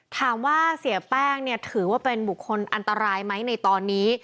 ถามว่าเสียแป้งเนี่ยถือว่าเป็นบุคคลอันตรายไหมในตอนนี้